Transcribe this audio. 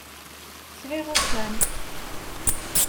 Sɛiɣ axxam